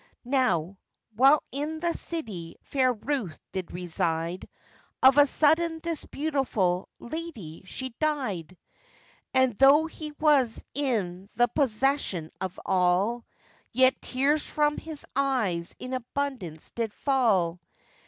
Now, while in the city fair Ruth did reside, Of a sudden this beautiful lady she died, And, though he was in the possession of all, Yet tears from his eyes in abundance did fall.